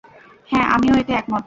হ্যাঁ, আমিও এতে একমত।